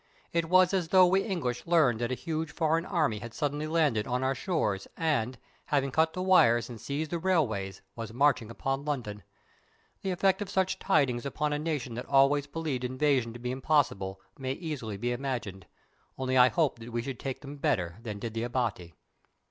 It was as though we English learned that a huge foreign army had suddenly landed on our shores and, having cut the wires and seized the railways, was marching upon London. The effect of such tidings upon a nation that always believed invasion to be impossible may easily be imagined, only I hope that we should take them better than did the Abati.